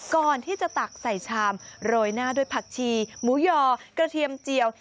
ตักใส่ชามโรยหน้าด้วยผักชีหมูยอกระเทียมเจียว